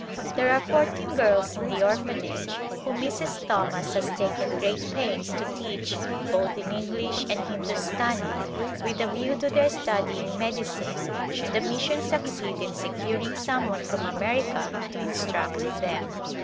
There are fourteen girls in the Orphanage w^hom Mrs. Thomas has taken great pains to teach both in English and Hindustani with a view to their studying medicine should the mission succeed in securing some one from America to instruct them.